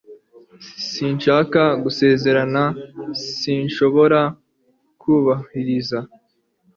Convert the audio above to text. Sinshaka gusezerana sinshobora kubahiriza.